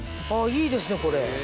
いいですねこれ。